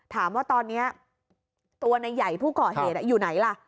ถามว่าตอนนี้ตัวนายใหญ่ผู้ก่อเหตุอยู่ไหนล่ะ